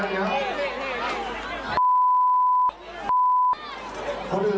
พี่พี่อย่าถือเกาะน้ำเลย